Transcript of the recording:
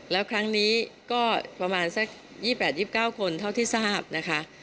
แล้วครั้งนี้ก็ประมาณสัก๒๘๒๙คนเท่าที่ทราบนะคะ